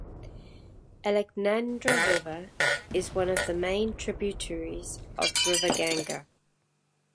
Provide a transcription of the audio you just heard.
Alaknanda river is one of the main tributaries of river Ganga.